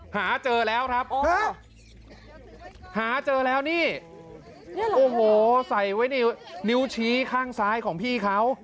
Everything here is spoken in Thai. หาเจอแล้วครับหาเจอแล้วนี่โอ้โหใส่ไว้ในนิ้วชี้ข้างซ้ายของพี่เขา